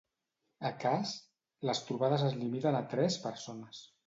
A cas, les trobades es limiten a tres persones.